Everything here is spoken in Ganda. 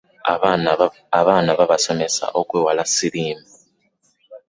Abaana babasomese okwewala siriimu.